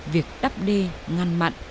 việc đắp đê ngăn mặn